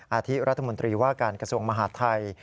อาทิรัฐมนตรีว่าการกระทรวงมหาดไทย